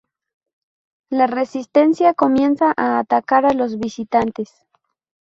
La Resistencia comienza a atacar a los visitantes.